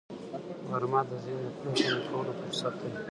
غرمه د ذهن د پرېکنده کولو فرصت دی